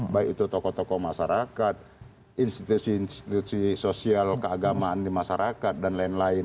baik itu tokoh tokoh masyarakat institusi institusi sosial keagamaan di masyarakat dan lain lain